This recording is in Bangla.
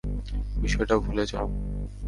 বিষয়টা ভুলে যাও।